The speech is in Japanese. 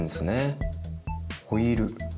ホイール。